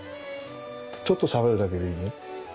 ちょっとしゃべるだけでいいのよ。